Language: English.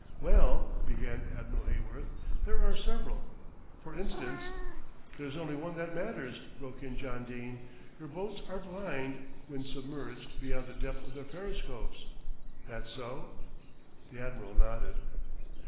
"Well," began Admiral Heyworth, "there are several. For instance " "There's only one that matters," broke in John Dene; "your boats are blind when submerged beyond the depth of their periscopes. That so?" The Admiral nodded.